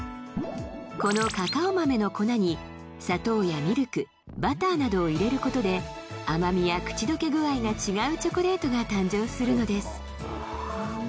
このカカオ豆の粉に砂糖やミルクバターなどを入れることで甘みや口どけ具合が違うチョコレートが誕生するのです